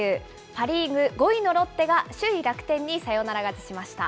パ・リーグ５位のロッテが、首位楽天にサヨナラ勝ちしました。